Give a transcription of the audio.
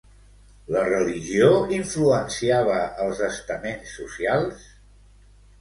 La religió influenciava els estaments socials?